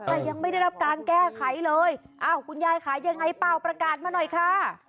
แต่ยังไม่ได้รับการแก้ไขเลยอ้าวคุณยายขายยังไงเปล่าประกาศมาหน่อยค่ะ